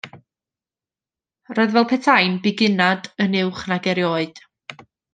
Roedd fel petai'n bugunad yn uwch nag erioed.